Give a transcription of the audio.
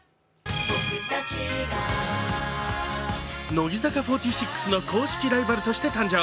乃木坂４６の公式ライバルとして誕生。